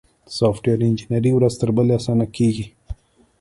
سافټویر انجینري ورځ تر بلې اسانه کیږي.